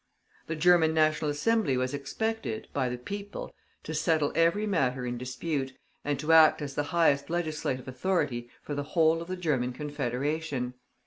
The German National Assembly was expected, by the people, to settle every matter in dispute, and to act as the highest legislative authority for the whole of the German Confederation.